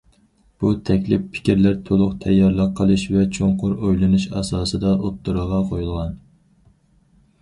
بۇ تەكلىپ، پىكىرلەر تولۇق تەييارلىق قىلىش ۋە چوڭقۇر ئويلىنىش ئاساسىدا ئوتتۇرىغا قويۇلغان.